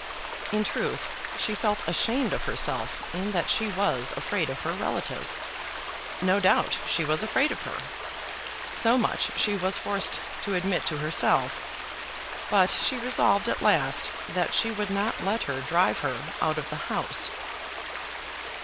In truth, she felt ashamed of herself in that she was afraid of her relative. No doubt she was afraid of her. So much she was forced to admit to herself. But she resolved at last that she would not let her drive her out of the house.